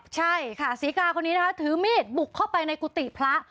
ใช่ค่ะศรีกาคนนี้นะคะถือมีดบุกเข้าไปในกุฏิพระ